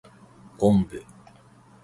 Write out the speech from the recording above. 昆布